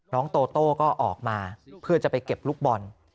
น้องโตโต้ก็ออกมาเพื่อจะไปเก็บลูกบอล